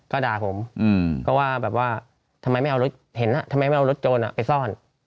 ก็ด่าผมก็ว่าแบบว่าทำไมไม่เอารถโจรไปซ่อน